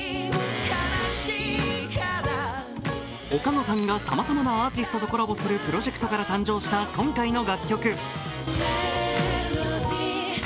岡野さんがさまざまなアーティストとコラボするプロジェクトから誕生した今回の楽曲。